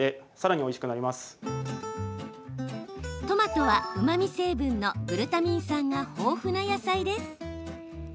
トマトは、うまみ成分のグルタミン酸が豊富な野菜です。